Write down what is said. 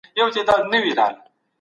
دا کاغذ تر هغه بل سپین دی.